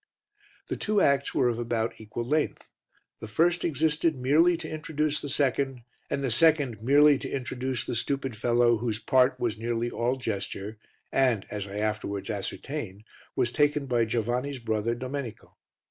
The two acts were of about equal length; the first existed merely to introduce the second, and the second merely to introduce the stupid fellow whose part was nearly all gesture and, as I afterwards ascertained, was taken by Giovanni's brother, Domenico.